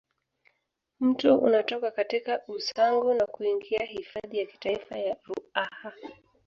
Mto unatoka katika Usangu na kuingia hifadhi ya kitaifa ya Ruaha